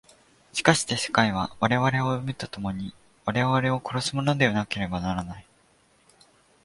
しかして世界は我々を生むと共に我々を殺すものでなければならない。